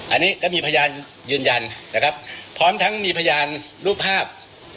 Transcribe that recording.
อันนี้ก็มีพยานยืนยันนะครับพร้อมทั้งมีพยานรูปภาพ